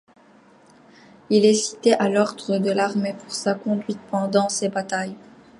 Il est cité à l'ordre de l'armée pour sa conduite pendant ces batailles.